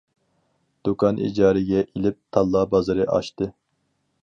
دۇكان ئىجارىگە ئېلىپ، تاللا بازىرى ئاچتى.